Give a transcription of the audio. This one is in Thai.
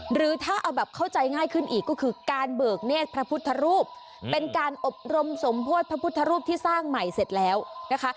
หรือถ้าเอาแบบเข้าใจง่ายขึ้นอีกก็คือการเบิกเนธพระพุทธรูปเป็นการอบรมสมโพธิพระพุทธรูปที่สร้างใหม่เสร็จแล้วนะคะ